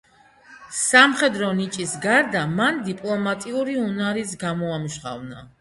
სამხედრო ნიჭის გარდა, მან დიპლომატიური უნარიც გამოამჟღავნა.